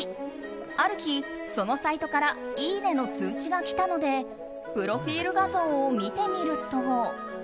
ある日、そのサイトからいいねの通知が来たのでプロフィール画像を見てみると。